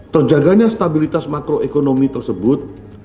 terjaganya stabilitas makroekonomi tersebut